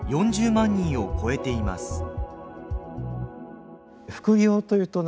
４０万人を超えています。